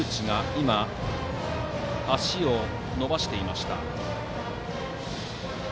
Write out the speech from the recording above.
今、足を伸ばしていました。